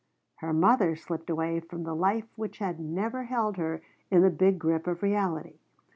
Her mother slipped away from the life which had never held her in the big grip of reality.